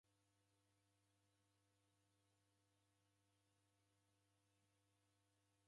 Mndu oandika habari onughia agho malagho.